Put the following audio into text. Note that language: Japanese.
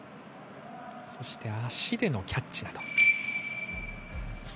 そして足でのキャッチ。